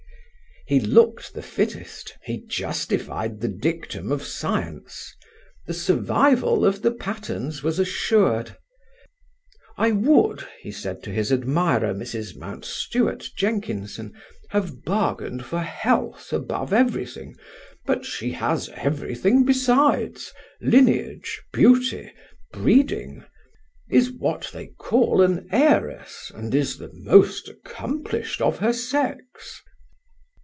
He looked the fittest; he justified the dictum of Science. The survival of the Patternes was assured. "I would," he said to his admirer, Mrs. Mountstuart Jenkinson, "have bargained for health above everything, but she has everything besides lineage, beauty, breeding: is what they call an heiress, and is the most accomplished of her sex."